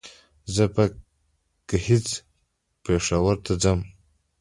زه به ګهيځ پېښور ته ځم